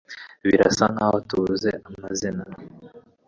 Birasa nkaho tubuze amazi